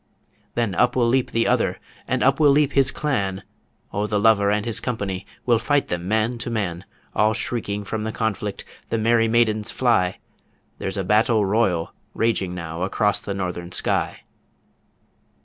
Then up will leap the other, And up will leap his clan O the lover and his company Will fight them man to man All shrieking from the conflict The merry maidens fly There's a Battle Royal raging now across the Northern Sky.